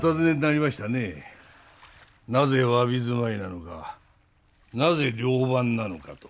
なぜ侘び住まいなのかなぜ寮番なのかと。